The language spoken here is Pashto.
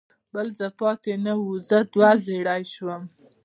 بل څه پاتې نه و، زه دوه زړی شوم.